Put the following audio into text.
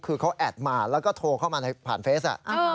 คือเขาแอดมาแล้วก็โทรเข้ามาผ่านเฟส